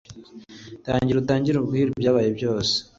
tangira utangire umbwire ibyabaye byose